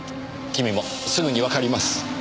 君もすぐにわかります。